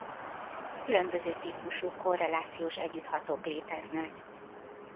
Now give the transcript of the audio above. Különböző típusú korrelációs együtthatók léteznek.